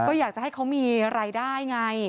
ก็อยากจะให้เขามีรายได้ไง